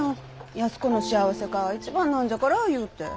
安子の幸せが一番なんじゃから言うて。